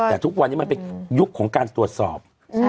แต่ทุกวันนี้มันเป็นยุคของการตรวจสอบ